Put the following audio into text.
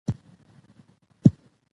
سمه ده زه ساده یم، خو ته حرام زاده یې.